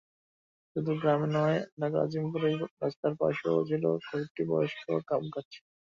শুধু গ্রামে নয়, ঢাকার আজিমপুরের রাস্তার পাশেও ছিল কয়েকটি বয়স্ক গাবগাছ।